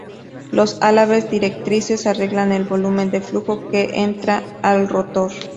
Los álabes directrices arreglan el volumen de flujo que entra al rotor.